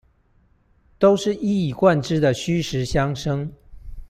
都是一以貫之的虛實相生